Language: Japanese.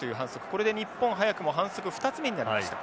これで日本早くも反則２つ目になりました。